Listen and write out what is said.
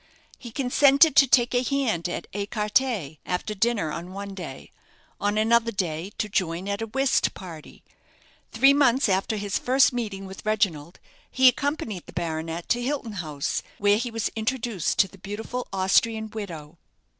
He consented to take a hand at écarté after dinner on one day; on another day to join at a whist party. Three months after his first meeting with Reginald, he accompanied the baronet to Hilton House, where he was introduced to the beautiful Austrian widow.